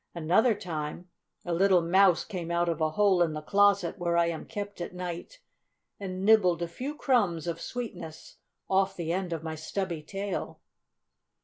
Another time a little mouse came out of a hole in the closet where I am kept at night, and nibbled a few crumbs of sweetness off the end of my stubby tail."